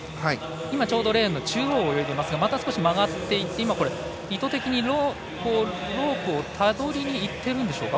今はレーンの中央を泳いでいますが、また曲がって意図的にロープをたどりにいっているんでしょうか。